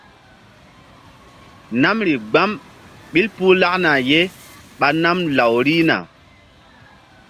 Namri gbam ɓil puh lakna ye ɓa nam law rihna.